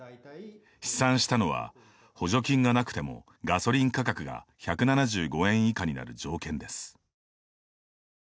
試算したのは、補助金がなくてもガソリン価格が１７５円以下になる条件です。